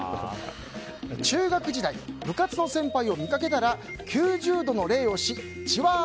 中学時代部活の先輩を見かけたら９０度の礼をしちわー！